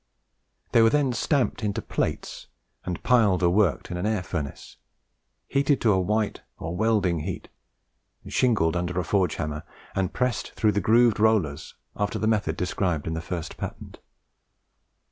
They were then stamped into plates, and piled or worked in an air furnace, heated to a white or welding heat, shingled under a forge hammer, and passed through the grooved rollers after the method described in the first patent.